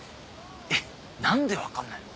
えっ何で分かんないの？